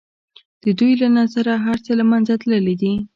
د دوی له نظره هر څه له منځه تللي دي.